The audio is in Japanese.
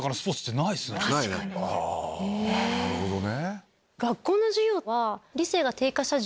なるほどね。